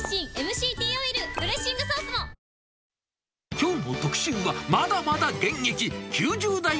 きょうの特集は、まだまだ現役！